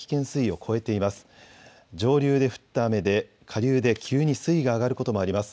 上流で降った雨で下流で急に水位が上がることもあります。